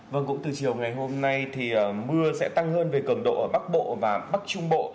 vâng cũng từ chiều ngày hôm nay thì mưa sẽ tăng hơn về cường độ ở bắc bộ và bắc trung bộ